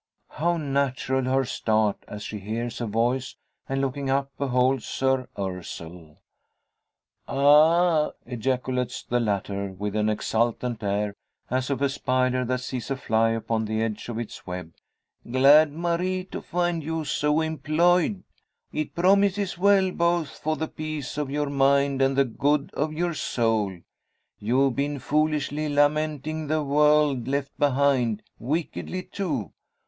How natural her start, as she hears a voice, and looking up beholds Soeur Ursule! "Ah!" ejaculates the latter, with an exultant air, as of a spider that sees a fly upon the edge of its web, "Glad, Marie, to find you so employed! It promises well, both for the peace of your mind and the good of your soul. You've been foolishly lamenting the world left behind: wickedly too.